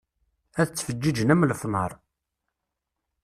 Ad d-ttfeǧǧiǧen am lefnaṛ.